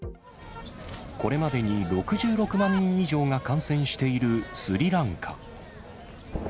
これまでに６６万人以上が感染しているスリランカ。